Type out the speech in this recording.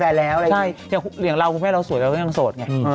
มีแฟนแล้วอะไรอย่างนี้เหี่ยเหลียงเราแล้วคุณแม่นเราสวยเรายังโสดไง